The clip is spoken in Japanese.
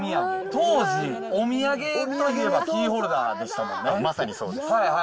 当時、お土産といえば、キーホルダーでしまさにそうです。